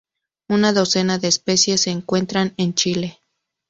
Una docena de especies se encuentran en Chile.